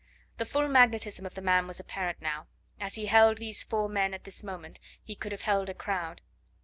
The full magnetism of the man was apparent now. As he held these four men at this moment, he could have held a crowd.